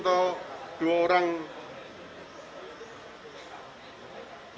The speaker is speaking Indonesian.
yang dilakukan sidang disiplin